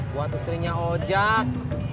buat istrinya ojat